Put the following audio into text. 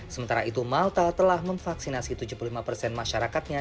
sementara itu malta telah memvaksinasi tujuh puluh lima persen masyarakatnya